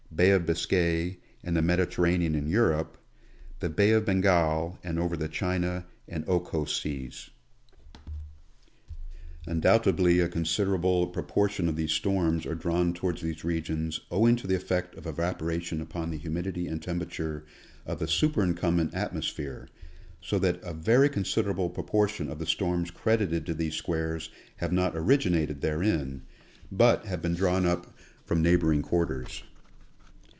Bay of Biscay and the Mediterranean in Europe ; the Bay of Bengal, and over the China and Okhotsk seas. Undoubtedly a considerable proportion of these storms are drawn towards these regions owing to the effect of evaporation upon the humidity and temperature of the superincumbent atmosphere, so that a very considerable proportion of the storms credited to these squares have not originated therein, but have been drawn up from 158 National Geographic Magazine. neighboring quarters.